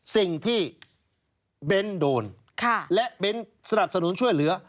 สิ่งที่เบ้นโดนและเบ้นสนับสนุนช่วยเหลือ